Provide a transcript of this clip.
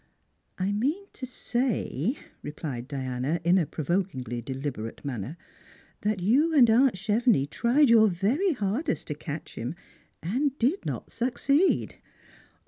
"" I mean to say," replied Diana, in a provokingly deliberate manner, " that you and aunt Chevenix tried your very hardest to catch him, and did not succeed.